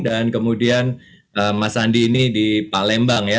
dan kemudian mas andi ini di palembang ya